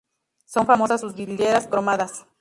Son famosas sus vidrieras cromadas.